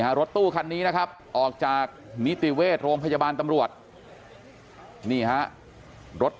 รถตู้คันนี้นะครับออกจากนิติเวชโรงพยาบาลตำรวจนี่ฮะรถ